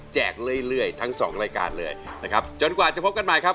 เรื่อยทั้งสองรายการเลยนะครับจนกว่าจะพบกันใหม่ครับ